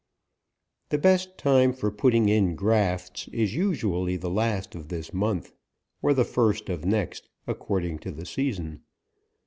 The best time for putting in grafts, is usu ally the last of this month, or the first of next, according to the season.